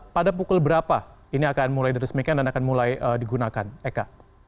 pada pukul berapa ini akan mulai diresmikan dan akan mulai digunakan eka